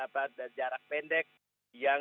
dan jarak pendek yang